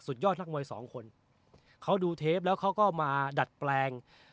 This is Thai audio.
ยอดนักมวยสองคนเขาดูเทปแล้วเขาก็มาดัดแปลง